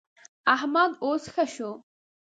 احمد اوس ښه شو.